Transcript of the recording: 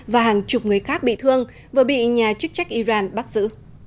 và hàng chục người khác bị thương vừa bị nhà chức trách iran bắt giữ